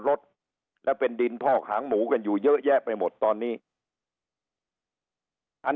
รถและเป็นดินพอกหางหมูกันอยู่เยอะแยะไปหมดตอนนี้อัน